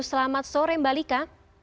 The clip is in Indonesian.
selamat sore mbak lika